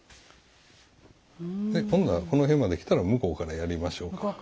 今度はこの辺まで来たら向こうからやりましょうか。